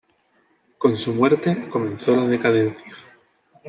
Con su muerte comenzó la decadencia.